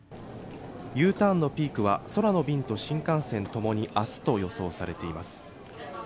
Ｕターンのピークは空の便と新幹線ともに明日と予想されています。